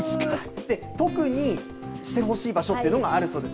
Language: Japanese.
特にしてほしい場所というのがあるんです。